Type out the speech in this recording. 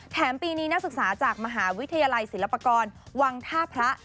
ปีนี้นักศึกษาจากมหาวิทยาลัยศิลปากรวังท่าพระ